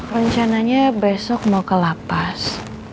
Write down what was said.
rencananya besok mau ke lapas